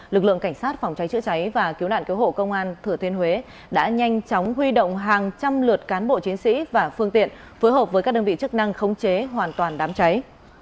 lực lượng cảnh sát phòng cháy chữa cháy và cứu nạn cứu hộ công an thừa thiên huế đã nhanh chóng huy động hàng trăm lượt cán bộ chiến sĩ và phương tiện phối hợp với các đơn vị chức năng khống chế hoàn toàn đám cháy